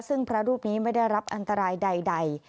ซึ่งพระรูปนี้ไม่ได้รับอันตรายใด